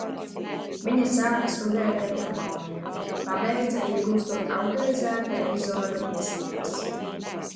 Viņa sāka studēt ekonomiju, pabeidza, iegūstot autorizēta revizora tiesības.